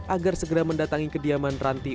agar segera mendatangi kediaman ranti